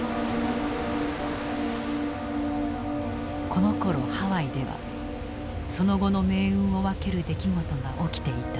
このころハワイではその後の命運を分ける出来事が起きていた。